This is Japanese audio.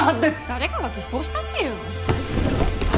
誰かが偽装したって言うの？